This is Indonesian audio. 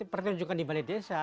pertunjukan di balai desa